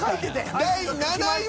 第７位は。